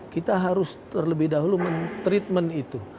kita harus terlebih dahulu men treatment itu